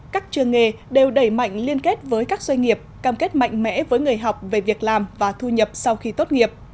các trường nghề đều đẩy mạnh liên kết với các doanh nghiệp cam kết mạnh mẽ với người học về việc làm và thu nhập sau khi tốt nghiệp